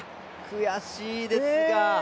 悔しいですね。